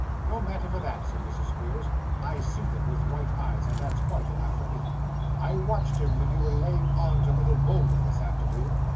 'No matter for that,' said Mrs. Squeers; 'I see them with right eyes, and that's quite enough for me. I watched him when you were laying on to little Bolder this afternoon.